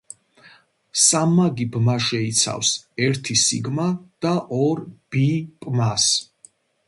სამმაგი ბმა შეიცავს ერთ სიგმა– და ორ პი–ბმას.